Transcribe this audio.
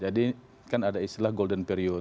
jadi kan ada istilah golden period